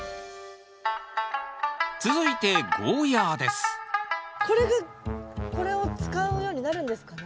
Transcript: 続いてこれがこれを使うようになるんですかね？